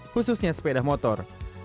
khususnya sepeda motor